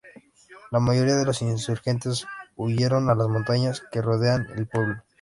La mayoría de los insurgentes huyeron a las montañas que rodean el pueblo.